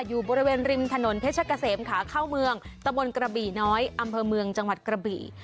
อยู่บริเวณริมถนนเพชรเกษมขาเข้าเมืองตะบนกระบี่น้อยอำเภอเมืองจังหวัดกระบี่